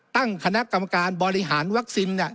ตั้งคณะกรรมการบริหารวัคซีน